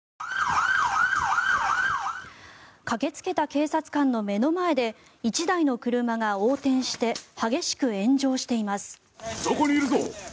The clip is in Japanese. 駆けつけた警察官の目の前で１台の車が横転して激しく炎上しています。